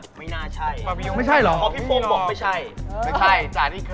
พี่ฟองไม่ใช่